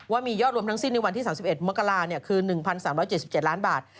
ว่ามียอดรวมทั้งสิ้นในวันที่๓๑มกราคือ๑๓๗๗ล้านบาท